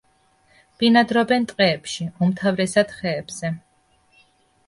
ბინადრობენ ტყეებში, უმთავრესად ხეებზე.